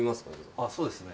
あそうですね